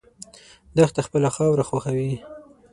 دښته خپله خاوره خوښوي.